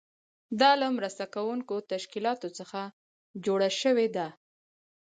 دا له مرسته کوونکو تشکیلاتو څخه جوړه شوې ده.